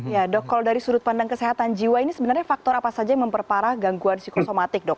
ya dok kalau dari sudut pandang kesehatan jiwa ini sebenarnya faktor apa saja yang memperparah gangguan psikosomatik dok